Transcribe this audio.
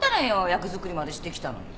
役作りまでしてきたのに。